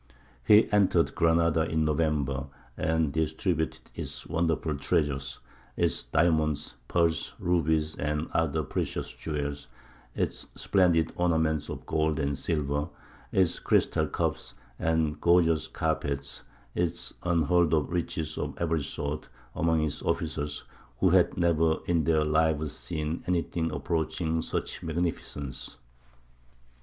He entered Granada in November, and distributed its wonderful treasures its diamonds, pearls, rubies, and other precious jewels, its splendid ornaments of gold and silver, its crystal cups, and gorgeous carpets, its unheard of riches of every sort among his officers, who had never in their lives seen anything approaching such magnificence.